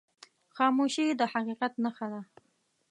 خاموشي، د حقیقت نښه ده.